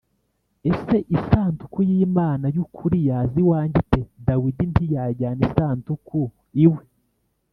ese isanduku yimana yukuri yaza iwanjye ite Dawidi ntiyajyana Isanduku iwe